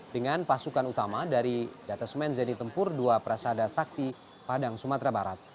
dengan pasukan utama dari data semen zeni tempur dua prasada sakti padang sumatera barat